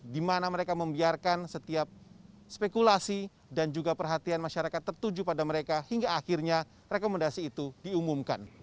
di mana mereka membiarkan setiap spekulasi dan juga perhatian masyarakat tertuju pada mereka hingga akhirnya rekomendasi itu diumumkan